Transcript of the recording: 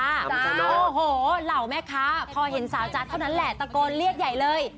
โอ้โหเหล่าแม่ค้าพอเห็นสาวจัดเท่านั้นแหละตะโกนเรียกใหญ่เลย